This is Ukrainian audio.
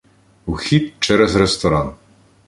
Вхід через ресторан.